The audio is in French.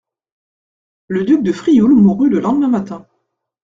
Le duc de Frioul mourut le lendemain matin.